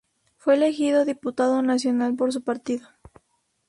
Fue elegido diputado nacional por su partido.